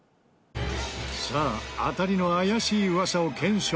さあ当たりの怪しい噂を検証。